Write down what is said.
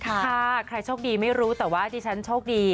ใครโชคดีไม่รู้แต่ว่าดิฉันโชคดี